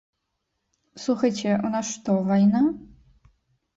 Слухайце, у нас што, вайна?